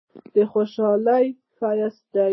خوشحالي ښایسته دی.